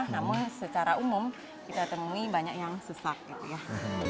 namun secara umum kita temui banyak yang susah